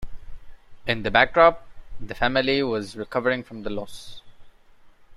In the backdrop, the family was recovering from the loss.